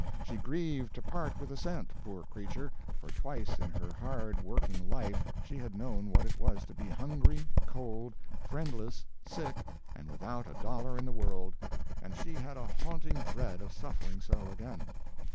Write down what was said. She grieved to part with a cent, poor creature, for twice in her hard working life she had known what it was to be hungry, cold, friendless, sick, and without a dollar in the world, and she had a haunting dread of suffering so again.